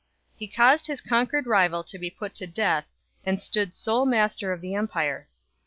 He caused his conquered rival to be put to death, and stood sole master of the empire.